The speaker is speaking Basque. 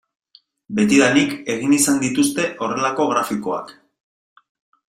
Betidanik egin izan dituzte horrelako grafikoak.